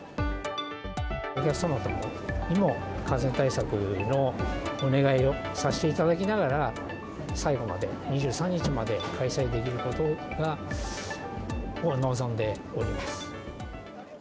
お客様にも感染対策のお願いをさせていただきながら、最後まで２３日まで開催できることを望んでおります。